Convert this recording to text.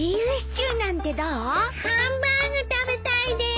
ハンバーグ食べたいです！